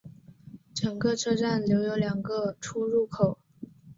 整个车站留有两个出入口。